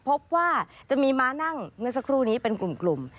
พบว่าจะมีม้านั่งเมื่อสักครู่นี้เป็นกลุ่ม